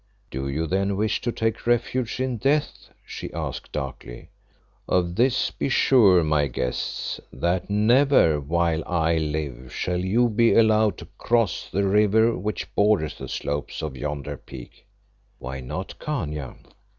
"Do you then wish to take refuge in death?" she asked darkly. "Of this be sure, my guests, that never while I live shall you be allowed to cross the river which borders the slopes of yonder peak." "Why not, Khania?"